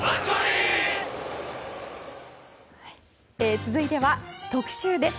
続いては特集です。